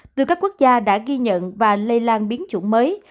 từ các quốc gia đã ghi nhận và lây lan biến chủng mới